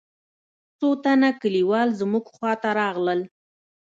څو تنه كليوال زموږ خوا ته راغلل.